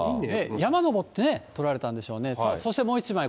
山登ってね、撮られたんでしょうね。